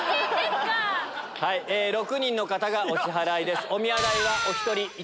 ６人の方がお支払いです。